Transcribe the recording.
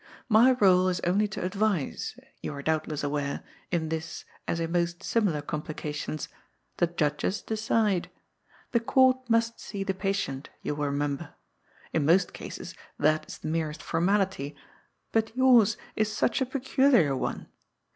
My r61e is only to advise, yon are doubtless aware, in this as in most similar complications ; the judges decide. The Court must see the patient, you will remember. In most cases that is the merest formality, but yours is such a peculiar one.